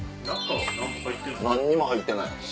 何にも入ってない。